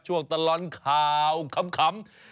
ช่วงตลอดข่าวขำ